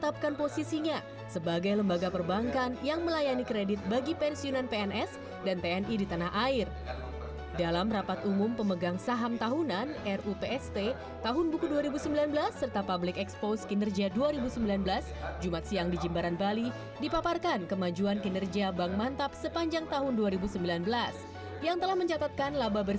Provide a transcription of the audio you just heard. pembangunan pembangunan pembangunan